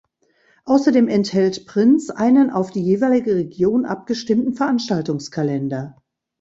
Außerdem enthält "Prinz" einen auf die jeweilige Region abgestimmten Veranstaltungskalender.